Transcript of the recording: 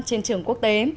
trên trường quốc tế